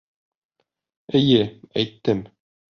Эйе, әйттем!